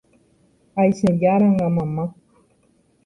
Aichejáranga mama